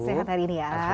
sehat hari ini ya